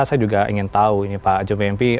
saya juga ingin tahu pak jomim mp